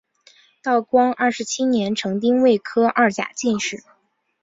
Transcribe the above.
道光二十七年成丁未科二甲进士。